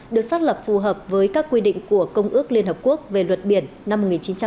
được xác lập phù hợp với các quy định của công ước liên hợp quốc về luật biển năm một nghìn chín trăm tám mươi hai